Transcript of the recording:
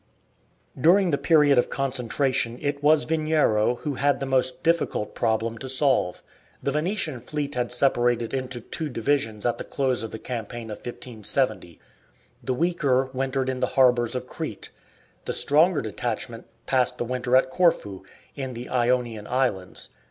During the period of concentration it was Veniero who had the most difficult problem to solve. The Venetian fleet had separated into two divisions at the close of the campaign of 1570. The weaker wintered in the harbours of Crete. The stronger detachment passed the winter at Corfu, in the Ionian islands.